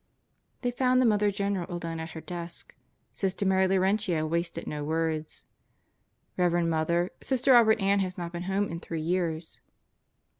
They found the Mother General alone at her desk. Sister Mary Laurentia wasted no words. "Reverend Mother, Sister Robert Ann has not been home in three years."